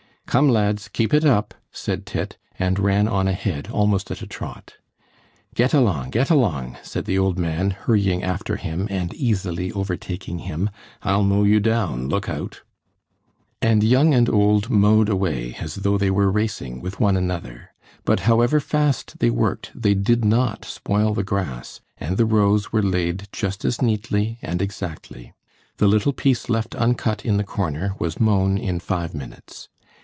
"Come, lads, keep it up!" said Tit, and ran on ahead almost at a trot. "Get along, get along!" said the old man, hurrying after him and easily overtaking him, "I'll mow you down, look out!" And young and old mowed away, as though they were racing with one another. But however fast they worked, they did not spoil the grass, and the rows were laid just as neatly and exactly. The little piece left uncut in the corner was mown in five minutes.